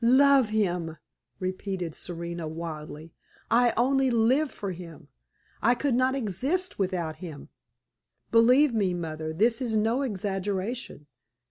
"Love him!" repeated Serena, wildly. "I only live for him! I could not exist without him! Believe me, mother, this is no exaggeration.